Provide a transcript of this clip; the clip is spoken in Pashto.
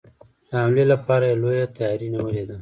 د حملې لپاره یې لويه تیاري نیولې ده.